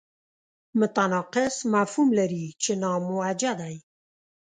متناقض مفهوم لري چې ناموجه دی.